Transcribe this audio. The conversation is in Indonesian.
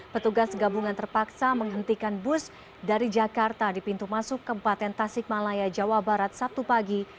petugas gabungan terpaksa menghentikan bus dari jakarta di pintu masuk kempaten tasik malaya jawa barat sabtu pagi